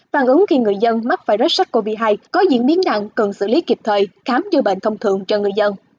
phản ứng khi người dân mắc virus sars cov hai có diễn biến nặng cần xử lý kịp thời khám dư bệnh thông thường cho người dân